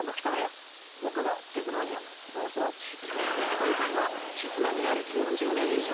今回は地図マニア歴４０年以上。